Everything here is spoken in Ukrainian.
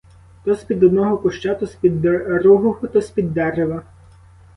То з-під одного куща, то з-під другого, то з-під дерева.